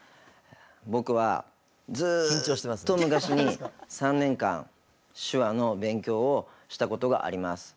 僕は、ずっと昔に３年間手話の勉強をしたことがあります。